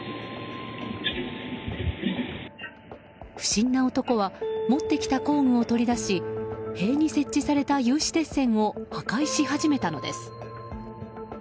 不審な男は持ってきた工具を取り出し塀に設置された有刺鉄線を破壊し始めたのです。